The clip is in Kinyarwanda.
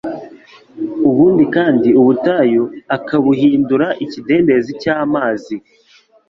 Ubundi kandi ubutayu akabuhindura ikidendezi cy’amazi